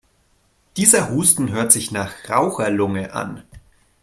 Dieser Husten hört sich nach Raucherlunge an.